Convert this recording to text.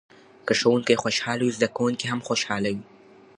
که ښوونکی خوشحاله وي زده کوونکي هم خوشحاله وي.